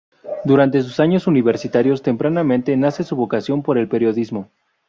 Durante sus años universitarios, tempranamente, nace su vocación por el periodismo.